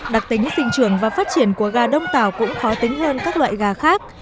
đặc tính sinh trường và phát triển của gà đông tảo cũng khó tính hơn các loại gà khác